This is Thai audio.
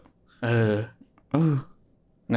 นะครับ